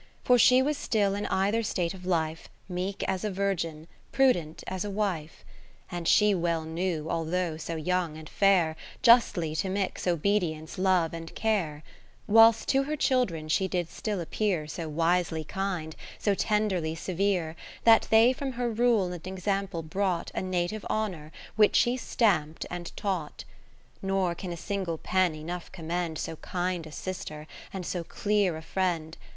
For she was still in eitherstate of life, Meek as a virgin, prudent as a wife. And she well knew, although so young and fair, Justly to mix Obedience, Love, and Care ; Whil'st to her children she did still appear So wisely kind, so tenderly severe, That they from her rule and example brought 31 A native Honour, which she stampt and taught. Nor can a single pen enough com mend So kind a sister and so clear a friend.